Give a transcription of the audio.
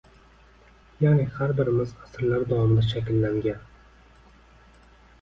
ya’ni har birimiz asrlar davomida shakllangan